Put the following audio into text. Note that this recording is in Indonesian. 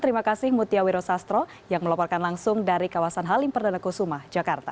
terima kasih mutia wiro sastro yang melaporkan langsung dari kawasan halimper dan kusumah jakarta